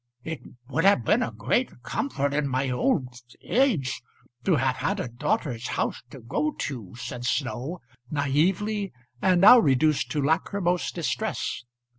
"It would have been a great comfort in my old age to have had a daughter's house to go to," said Snow, naïvely, and now reduced to lachrymose distress.